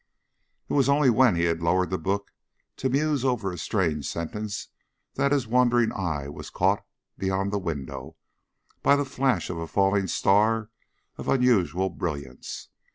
It was only when he had lowered the book to muse over a strange sentence that his wandering eye was caught beyond the window by the flash of a falling star of unusual brilliance.